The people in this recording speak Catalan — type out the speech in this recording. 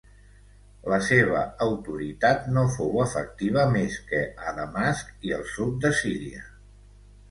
La seva autoritat no fou efectiva més que a Damasc i el sud de Síria.